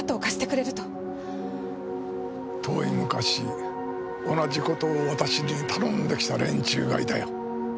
遠い昔同じ事を私に頼んできた連中がいたよ。